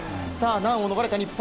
難を逃れた日本。